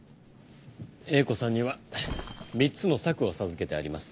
英子さんには３つの策を授けてあります。